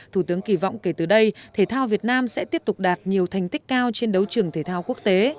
thủ tướng kỳ vọng kể từ đây thể thao việt nam sẽ tiếp tục đạt nhiều thành tích cao trên đấu trường thể thao quốc tế